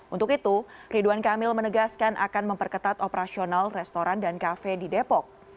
untuk itu ridwan kamil menegaskan akan memperketat operasional restoran dan kafe di depok